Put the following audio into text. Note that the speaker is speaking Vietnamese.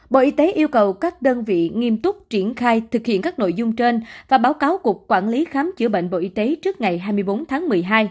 bộ y tế yêu cầu các đơn vị nghiêm túc triển khai thực hiện các nội dung trên và báo cáo cục quản lý khám chữa bệnh bộ y tế trước ngày hai mươi bốn tháng một mươi hai